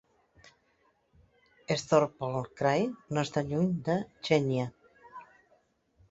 Stavropol Krai no està lluny de Chechnya.